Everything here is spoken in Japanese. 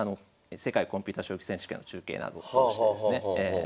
世界コンピュータ将棋選手権の中継などを通してですね。